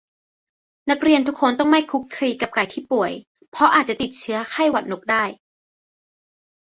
นักเรียนต้องไม่คลุกคลีกับไก่ที่ป่วย เพราะอาจติดเชื้อไข้หวัดนกได้